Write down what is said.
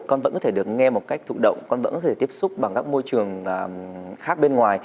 con vẫn có thể được nghe một cách thụ động con bẫn có thể tiếp xúc bằng các môi trường khác bên ngoài